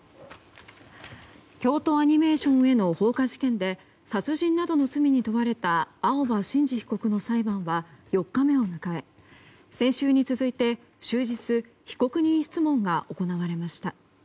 京都アニメーションへの放火事件で殺人などの罪に問われた青葉真司被告の裁判は４日目を迎え先週に続いて終日被告人質問が行われました。